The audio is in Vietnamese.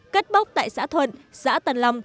cất bốc tại xã thuận xã tân lâm